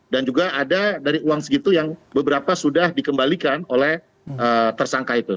dan juga ada dari uang segitu yang beberapa sudah dikembalikan oleh tersangka itu